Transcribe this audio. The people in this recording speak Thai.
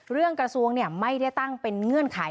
เรื่องกระทรวงเนี่ยไม่ได้ตั้งเป็นเงื่อนไข